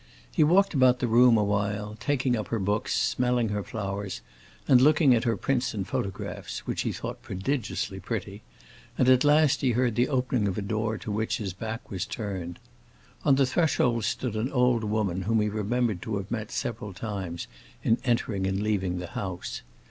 He walked about the room a while, taking up her books, smelling her flowers, and looking at her prints and photographs (which he thought prodigiously pretty), and at last he heard the opening of a door to which his back was turned. On the threshold stood an old woman whom he remembered to have met several times in entering and leaving the house.